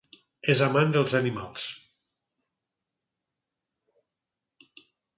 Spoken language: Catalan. És amant dels animals.